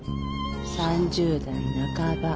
３０代半ば。